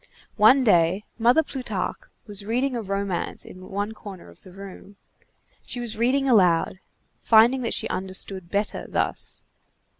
One day, Mother Plutarque was reading a romance in one corner of the room. She was reading aloud, finding that she understood better thus.